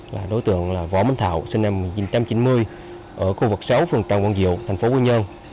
là đối tượng là võ minh thảo sinh năm một nghìn chín trăm chín mươi ở khu vực sáu phường tràng quang diệu thành phố quy nhơn